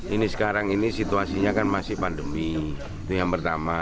ini sekarang ini situasinya kan masih pandemi itu yang pertama